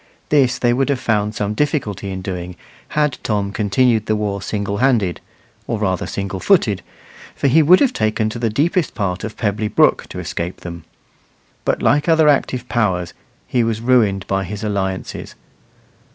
This they would have found some difficulty in doing, had Tom continued the war single handed, or rather single footed, for he would have taken to the deepest part of Pebbly Brook to escape them; but, like other active powers, he was ruined by his alliances.